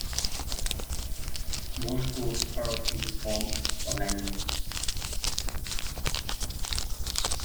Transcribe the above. Morse Code or in the form of a language.